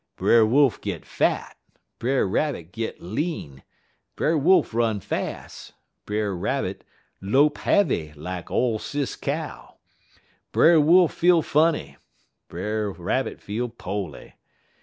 Brer Wolf git fat, Brer Rabbit git lean; Brer Wolf run fas', Brer Rabbit lope heavy lak ole Sis Cow; Brer Wolf feel funny, Brer Rabbit feel po'ly.